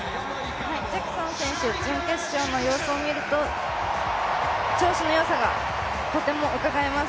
ジャクソン選手、準決勝の様子を見ると調子のよさがとてもうかがえます。